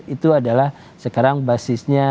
itu adalah sekarang basisnya